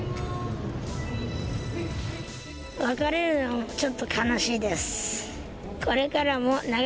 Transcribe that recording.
別れるのはちょっと悲しいです。